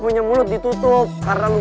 punya mulut ditutup karena